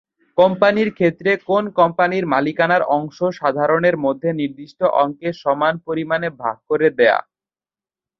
কোম্পানির ক্ষেত্রে কোন কোম্পানির মালিকানার অংশ সাধারণের মধ্যে নির্দিষ্ট অঙ্কে সমান পরিমাণে ভাগ করে দেয়া।